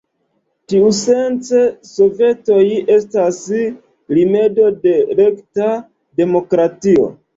Tiusence sovetoj estas rimedo de rekta demokratio.